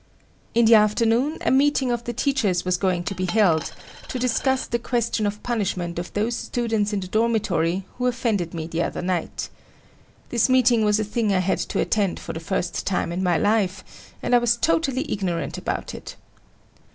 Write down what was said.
In the afternoon, a meeting of the teachers was going to be held to discuss the question of punishment of those students in the dormitory who offended me the other night. This meeting was a thing I had to attend for the first time in my life, and I was totally ignorant about it.